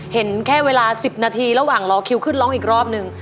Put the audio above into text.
เห็นแค่เวลา๑๐นาทีระหว่างรอคิวขึ้นร้องอีกรอบนึง